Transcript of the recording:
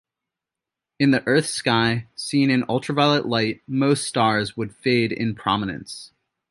In the Earth's sky seen in ultraviolet light, most stars would fade in prominence.